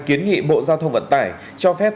kiến nghị bộ giao thông vận tải cho phép